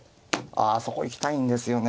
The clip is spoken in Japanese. あそこ行きたいんですよね。